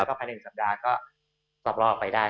พันธุ์สัปดาห์ก็สอบลอบไปได้